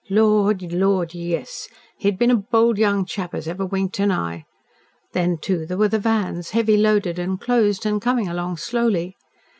Lord, Lord, yes! He had been a bold young chap as ever winked an eye. Then, too, there were the vans, heavy loaded and closed, and coming along slowly.